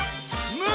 「む」！